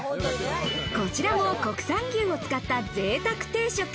こちらも国産牛を使ったぜいたく定食。